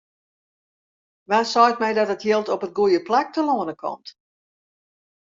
Wa seit my dat it jild op it goede plak telâne komt?